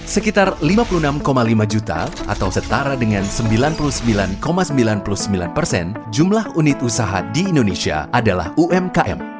sekitar lima puluh enam lima juta atau setara dengan sembilan puluh sembilan sembilan puluh sembilan persen jumlah unit usaha di indonesia adalah umkm